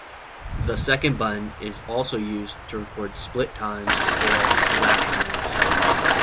The second button is also used to record "split times" or "lap times".